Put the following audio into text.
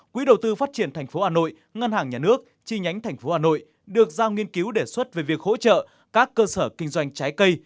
quỹ đầu tư phát triển tp hà nội ngân hàng nhà nước chi nhánh tp hà nội được giao nghiên cứu đề xuất về việc hỗ trợ các cơ sở kinh doanh trái cây